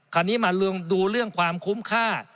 คราวนี้มาดูเรื่องความคุ้มค่า